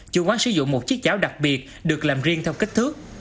chủ quán sử dụng một chiếc cháo đặc biệt được làm riêng theo kích thước